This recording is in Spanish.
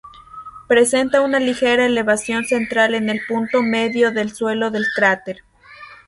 Presenta una ligera elevación central en el punto medio del suelo del cráter.